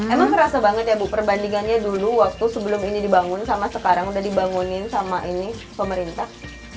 emang kerasa banget ya bu perbandingannya dulu waktu sebelum ini dibangun sama sekarang udah dibangunin sama ini pemerintah